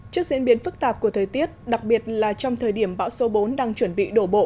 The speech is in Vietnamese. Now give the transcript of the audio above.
trước diễn biến phức tạp của thời tiết đặc biệt là trong thời điểm bão số bốn đang chuẩn bị đổ bộ